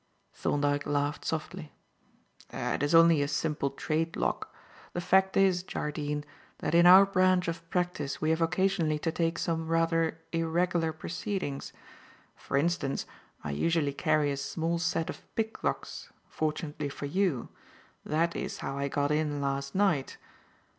Thorndyke laughed softly. "It is only a simple trade lock. The fact is, Jardine, that in our branch of practice we have occasionally to take some rather irregular proceedings. For instance, I usually carry a small set of picklocks fortunately for you. That is how I got in last night.